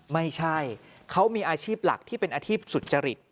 ไม่ใช่เขามีอาชีพหลักที่เป็นอาชีพสุจริต